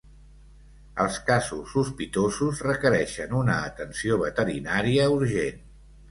Els casos sospitosos requereixen una atenció veterinària urgent.